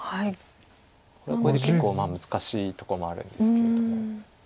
これはこれで結構難しいとこもあるんですけれども。